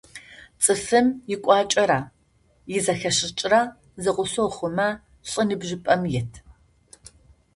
Цӏыфым ыкӏуачӏэрэ изэхэшӏыкӏрэ зэгъусэ хъумэ лӏы ныбжьыпӏэм ит.